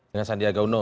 dengan sandiaga uno